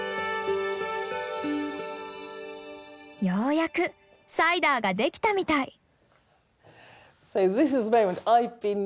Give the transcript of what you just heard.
ようやくサイダーができたみたい。